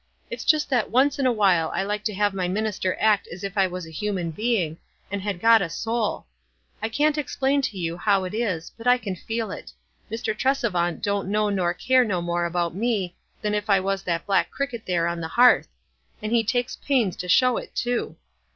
It's just that once in a while I like to have my minister act as if I was a human being, and had got a soul. I can't explain to you how it is, but I can feel it. Mr. Tresevant don't know nor care no more about me than if I was that black cricket there on the hearth ; and he takes pains to show it, too.